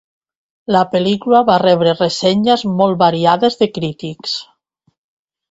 La pel·lícula va rebre ressenyes molt variades de crítics.